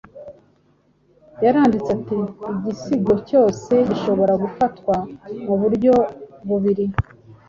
yaranditse ati: "Igisigo cyose gishobora gufatwa mu buryo bubiri –